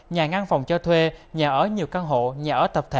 nhà ngăn phòng cho thuê nhà ở nhiều căn hộ nhà ở tập thể